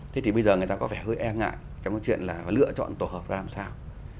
thế thì bây giờ người ta có vẻ hơi e ngại trong cái chuyện là lựa chọn tổ hợp ra làm sao